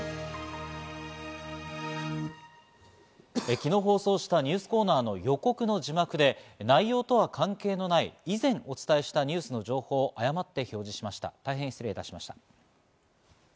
昨日放送したニュースコーナーの予告の字幕で内容とは関係のない以前お伝えしたニュースの情報を誤って表示しました、大変失礼しました。